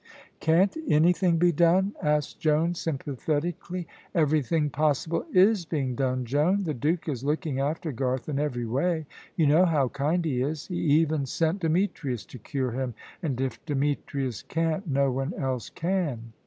"Can't anything be done?" asked Joan, sympathetically. "Everything possible is being done, Joan. The Duke is looking after Garth in every way you know how kind he is. He even sent Demetrius to cure him, and if Demetrius can't, no one else can."